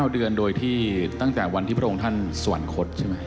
๙เดือนโดยที่ตั้งแต่วันที่พระองค์ท่านสวรรคตใช่ไหม